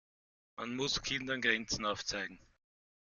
Man muss Kindern Grenzen aufzeigen.